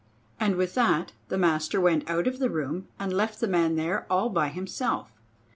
And with that the master went out of the room and left the man there all by himself.